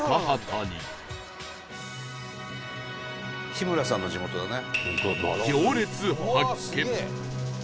日村さんの地元だね。